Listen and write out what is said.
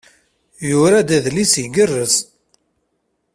Yura-d adlis igerrez.